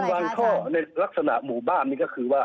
วางท่อในลักษณะหมู่บ้านนี้ก็คือว่า